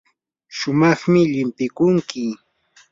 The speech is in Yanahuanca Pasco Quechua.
shumaqmi llimpikunki.